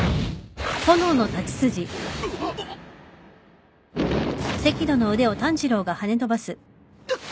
あっ！？くっ！？